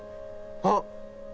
あっ！